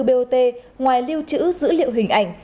bot ngoài lưu trữ dữ liệu hình ảnh